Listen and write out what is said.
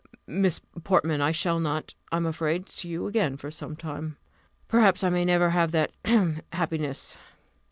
"Miss Portman, I shall not, I am afraid, see you again for some time; perhaps I may never have that hem! happiness.